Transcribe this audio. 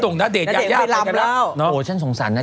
ณเดชน์อย่างรับแล้ว